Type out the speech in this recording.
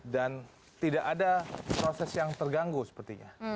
dan tidak ada proses yang terganggu sepertinya